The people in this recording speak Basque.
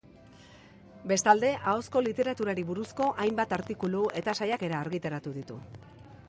Bestalde, ahozko literaturari buruzko hainbat artikulu, eta saiakera argitaratu ditu.